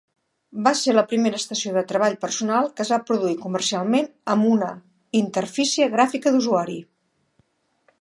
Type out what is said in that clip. Va ser la primera estació de treball personal que es va produir comercialment amb una interfície gràfica d'usuari.